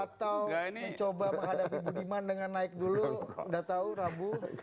atau mencoba menghadapi budiman dengan naik dulu udah tahu rabu